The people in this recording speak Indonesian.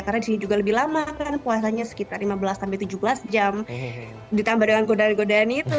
karena di sini juga lebih lama kan puasanya sekitar lima belas sampai tujuh belas jam ditambah dengan godaan godaan itu